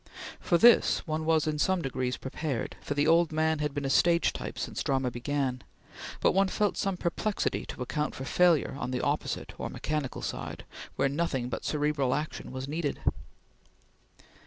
For this, one was in some degree prepared, for the old man had been a stage type since drama began; but one felt some perplexity to account for failure on the opposite or mechanical side, where nothing but cerebral action was needed.